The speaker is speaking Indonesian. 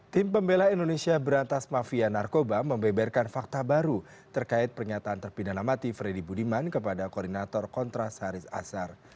tim pembela indonesia berantas mafia narkoba membeberkan fakta baru terkait pernyataan terpidana mati freddy budiman kepada koordinator kontras haris azhar